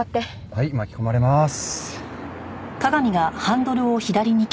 はい巻き込まれまーす！